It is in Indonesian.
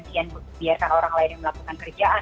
biarkan orang lain yang melakukan kerjaan